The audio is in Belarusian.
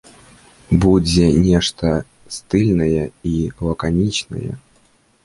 Будзе нешта стыльнае і лаканічнае.